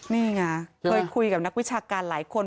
นี่ไงเคยคุยกับนักวิชาการหลายคน